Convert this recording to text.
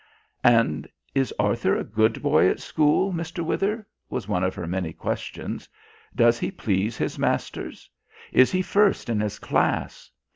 "And is Arthur a good boy at school, Mr. Wither?" was one of her many questions. "Does he please his masters? Is he first in his class?